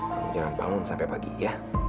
kamu jangan bangun sampai pagi ya